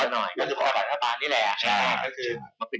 คนก็หาอะไรมีความเสว็งชอบชอบส้มไว้